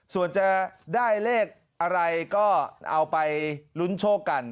ส่วนจะได้เลขอะไรก็เอาไปลุ้นโชคกัน